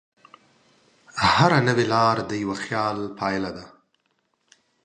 هره نوې لار د یوه خیال پایله ده.